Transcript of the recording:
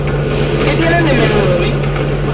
¿Qué tienen de menú hoy?